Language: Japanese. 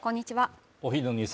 お昼のニュース